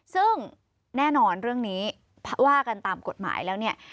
ซึ่งแน่นอนเรื่องนี้ว่ากันตามกฎหมายแล้วเนี่ย